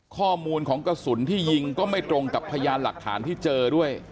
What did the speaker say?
ข้อมูลของกระสุนที่ยิงก็ไม่ตรงกับพยานหลักฐานที่เจอด้วย